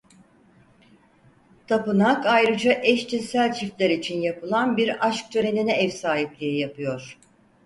Tapınak ayrıca eşcinsel çiftler için yapılan bir aşk törenine ev sahipliği yapıyor.